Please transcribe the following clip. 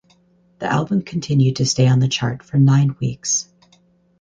The album continued to stay on the chart for nine weeks.